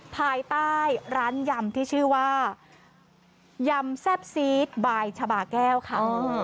ภายใต้ร้านยำที่ชื่อว่ายำแซ่บซีดบายชาบาแก้วค่ะ